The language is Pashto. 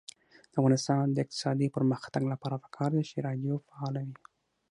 د افغانستان د اقتصادي پرمختګ لپاره پکار ده چې راډیو فعاله وي.